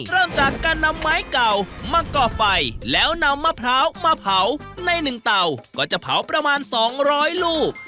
เริ่มจากการนำไม้เก่ามาก่อไฟแล้วนำมะพร้าวมาเผาในหนึ่งเต่าก็จะเผาประมาณ๒๐๐ลูก